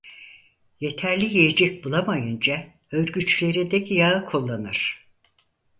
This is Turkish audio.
Yeterli yiyecek bulamayınca hörgüçlerindeki yağı kullanır.